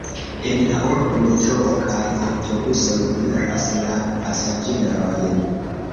En la urbo metroo kaj aŭtobusoj liveras la pasaĝerojn.